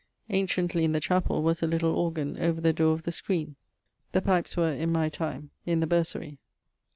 Anciently, in the chapell, was a little organ over the dore of the skreen. The pipes were, in my time, in the bursery.